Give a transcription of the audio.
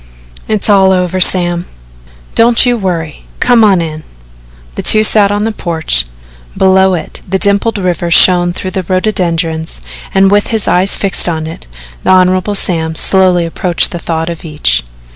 "It's all over, Sam." "Don't you worry come on in." The two sat on the porch. Below it the dimpled river shone through the rhododendrons and with his eyes fixed on it, the Hon. Sam slowly approached the thought of each.